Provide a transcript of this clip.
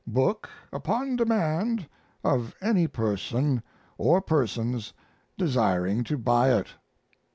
book upon demand of any person or persons desiring to buy it.